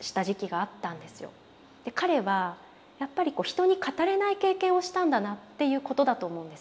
彼はやっぱり人に語れない経験をしたんだなっていうことだと思うんです。